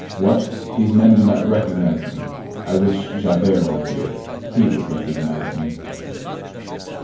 What! these men do not recognize me! I wish Javert were here; he would recognize me."